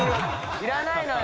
いらないのよ。